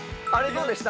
どうでした？